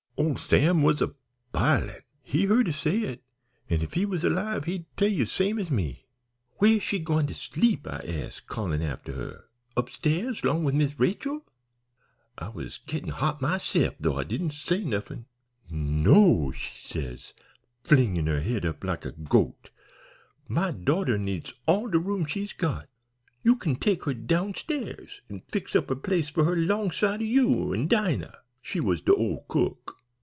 "Ole Sam was bilin'. He heard her say it, an' if he was alive he'd tell ye same as me. "'Where's she gwine to sleep?' I says, callin' after her; 'upstairs long wid Miss Rachel?' I was gittin' hot myse'f, though I didn't say nuffin. "'No,' she says, flingin' up her head like a goat; 'my daughter needs all de room she's got. You kin take her downstairs an' fix up a place for her longside o' you an' Dinah.' She was de old cook.